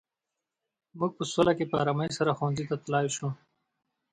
موږ په سوله کې په ارامۍ سره ښوونځي ته تلای شو.